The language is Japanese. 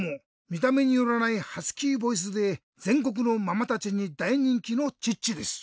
みためによらないハスキーボイスでぜんこくのママたちにだいにんきのチッチです。